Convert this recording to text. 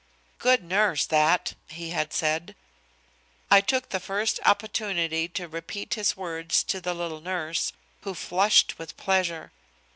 "Good nurse, that," he had said. I took the first opportunity to repeat his words to the little nurse, who flushed with pleasure.